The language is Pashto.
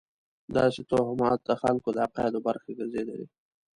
داسې توهمات د خلکو د عقایدو برخه ګرځېدلې.